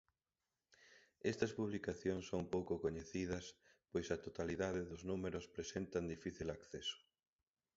Estas publicacións son pouco coñecidas, pois a totalidade dos números presentan difícil acceso.